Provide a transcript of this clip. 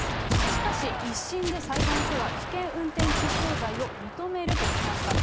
しかし、１審で裁判所は危険運転致死傷罪を認めるとしました。